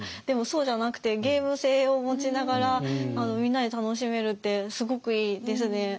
でもそうじゃなくてゲーム性を持ちながらみんなで楽しめるってすごくいいですね。